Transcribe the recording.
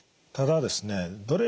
ただですね